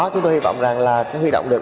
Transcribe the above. chúng tôi hy vọng là sẽ huy động được